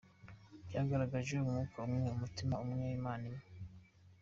Byagaragaje Umwuka umwe, umutima umwe, Imana imwe.